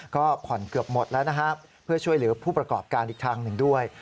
ก็ผ่อนเกือบหมดแล้วนะครับเพื่อช่วยเหลือผู้ประกอบการอีกทางหนึ่งด้วย